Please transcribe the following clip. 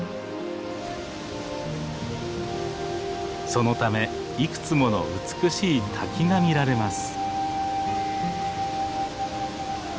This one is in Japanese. そのためいくつもの美しい滝が見られます。